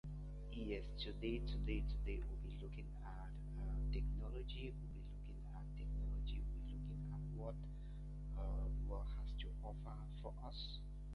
Chronological amendments to the National Energy Conservation Policy Act.